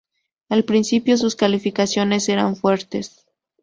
Al principio, sus calificaciones eran fuertes.